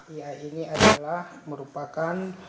ia ini adalah merupakan